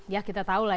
ya kita tahu